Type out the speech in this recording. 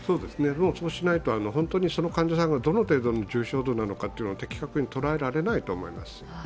そうしないと、本当にその患者さんがどの程度の重症度なのか的確に捉えられないと思います。